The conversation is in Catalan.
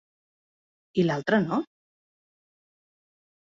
I l'altre no?